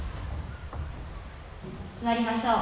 座りましょう。